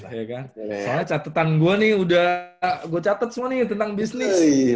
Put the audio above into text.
soalnya catetan gua nih udah gua catet semua nih tentang bisnis